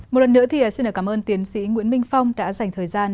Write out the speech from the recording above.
một lần nữa thì xin cảm ơn tiến sĩ nguyễn minh phong đã dành thời gian